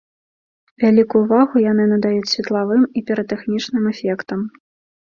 Вялікую ўвагу яны надаюць светлавым і піратэхнічным эфектам.